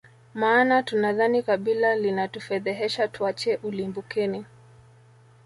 maana tunadhani kabila linatufedhehesha tuache ulimbukeni